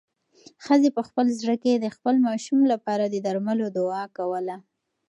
ښځې په خپل زړه کې د خپل ماشوم لپاره د درملو دعا کوله.